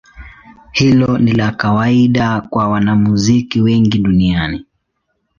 Hilo ni la kawaida kwa wanamuziki wengi duniani.